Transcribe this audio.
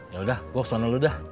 yaudah gue kesana dulu dah